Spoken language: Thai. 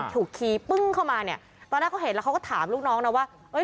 ขี่ปึ้งเข้ามาเนี่ยตอนแรกเขาเห็นแล้วเขาก็ถามลูกน้องนะว่าเอ้ย